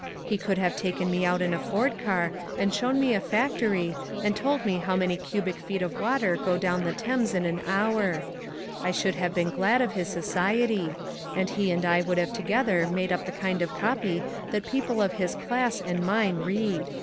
He could have taken me out in a Ford car and shown me a factory and told me how many cubic feet of water go down the Thames in an hour. I should have been glad of his society, and he and I would have together made up the kind of copy that people of his class and mine read.